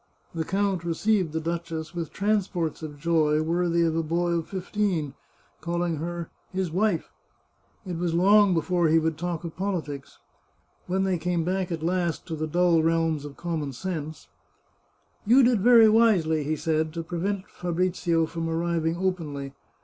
The count received the duchess with transports of joy worthy of a boy of fifteen, calling her " his wife." It was long before he would talk of poli tics. When they came back, at last, to the dull realms of common sense —" You did very wisely," he said, " to prevent Fabrizio from arriving openly.